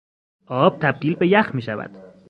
آب تبدیل به یخ میشود.